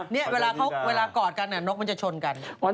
เนี่ยเวลากอดกันนกจะชนกัน